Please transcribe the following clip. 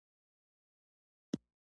چین د چاپېریال ساتنې ته بودیجه ورکوي.